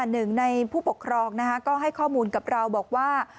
หนึ่งในผู้ปกครองก็ให้ข้อมูลกับเราบอกว่า